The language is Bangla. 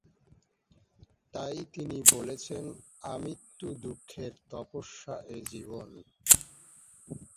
তাই তিনি বলেছেন, "আমৃত্যু দুঃখের তপস্যা এ জীবন"।